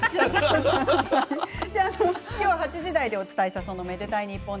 ８時台でお伝えした「愛でたいｎｉｐｐｏｎ」